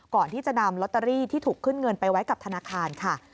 ก่อนที่จะนำลอตเตอรี่ที่ถูกขึ้นเงินไปไว้กับธนาคารค่ะ